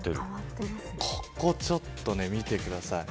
ここちょっと見てください。